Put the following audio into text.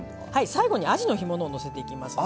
最後にあじの干物をのせていきますね。